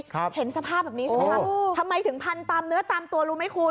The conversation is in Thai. เห็นสภาพแบบนี้ใช่ไหมคะทำไมถึงพันตามเนื้อตามตัวรู้ไหมคุณ